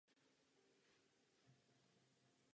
Druhým klíčovým slovem, které zde musíme zmínit, je rychlost.